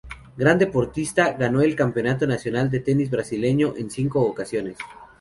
Gran deportista, ganó el campeonato nacional de tenis brasileño en cinco ocasiones.